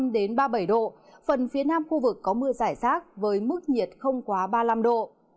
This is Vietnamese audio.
đến ba mươi bảy độ phần phía nam khu vực có mưa giải rác với mức nhiệt không quá ba mươi năm độ